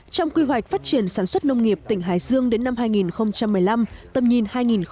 trong quy hoạch phát triển sản xuất nông nghiệp tỉnh hải dương đến năm hai nghìn một mươi năm tầm nhìn hai nghìn hai mươi